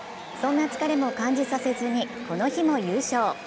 そんな疲れも感じさせずにこの日も優勝。